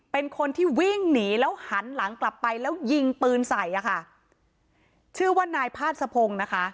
เป็นคนที่วิ่งหนีแล้วหันหลังกลับไปแล้วยิงปืนใส่อ่ะค่ะชื่อว่านายพาสะพงศ์นะคะ